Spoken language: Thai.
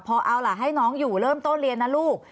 พอเอาล่ะให้น้องอยู่เริ่มต้นเรียนนะลูก